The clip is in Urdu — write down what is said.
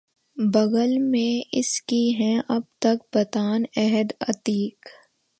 بغل میں اس کی ہیں اب تک بتان عہد عتیق